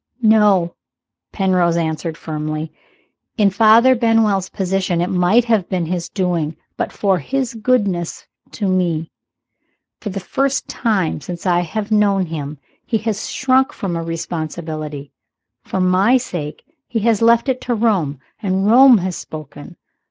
"No!" Penrose answered firmly. "In Father Benwell's position it might have been his doing, but for his goodness to me. For the first time since I have known him he has shrunk from a responsibility. For my sake he has left it to Rome. And Rome has spoken.